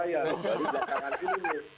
jadi jatuhkan ini